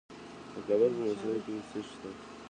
د کابل په موسهي کې څه شی شته؟